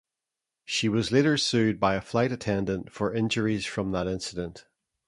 She was later sued by a flight attendant for injuries from that incident.